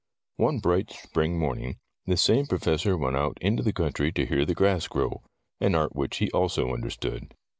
One bright spring morning this same Professor went out into the country to hear the grass grow — an art which he also understood.